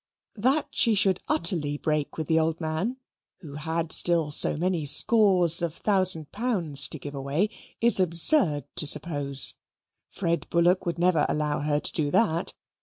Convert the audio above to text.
That she should utterly break with the old man, who had still so many scores of thousand pounds to give away, is absurd to suppose. Fred Bullock would never allow her to do that.